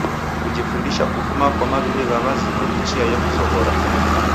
Kujifundisha kufuma kwa maw'iw'i gha w'azima ni chia yekuzoghora.